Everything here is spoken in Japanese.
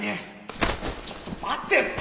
ちょっと待てって！